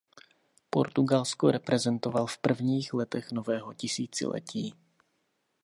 Portugalsko reprezentoval v prvních letech nového tisíciletí.